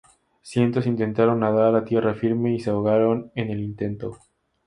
Cientos intentaron nadar a tierra firme y se ahogaron en el intento.